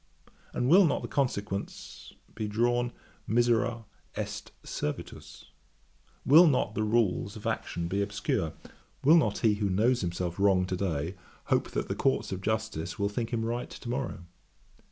_ and will not the consequence be drawn, misera est servitus? Will not the rules of action be obscure? Will not he who knows himself wrong to day, hope that the Courts of Justice will think him right to morrow?